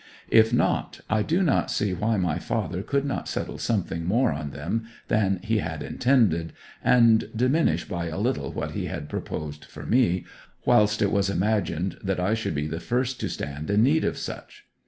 If not, I do not see why my father could not settle something more on them than he had intended, and diminish by a little what he had proposed for me, whilst it was imagined that I should be the first to stand in need of such.